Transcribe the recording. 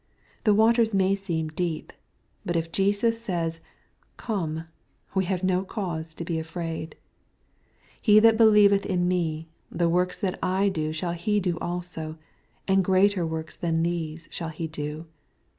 The waters may seem deep. But if Jesus says, "Come," we have no cause to be afraid. " He that believeth on me, the works that I do shall he do also, and greater works than these shall he do."